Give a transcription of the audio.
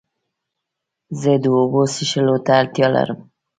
زه د اوبو څښلو ته اړتیا لرم.